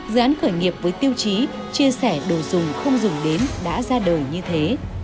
dự án khởi nghiệp với tiêu chí chia sẻ đồ dùng không dùng đến đã ra đời như thế